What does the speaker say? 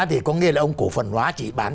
thì có nghĩa là ông cổ phần hóa chị bán